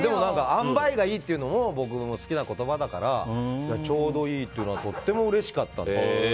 塩梅がいいっていうのも僕、好きな言葉だからちょうどいいというのはとてもうれしかったです。